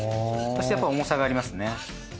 そしてやっぱ重さがありますね。